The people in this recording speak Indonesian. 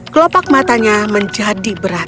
kelopak matanya menjadi berat